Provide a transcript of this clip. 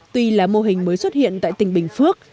tuy là mô hình mới xuất hiện tại tỉnh bình phước